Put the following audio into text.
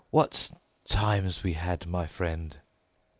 What times we had, my friend!"